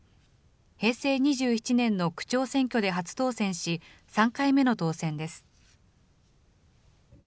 平成２７年の区長選挙で初当選し、３回目の当選です。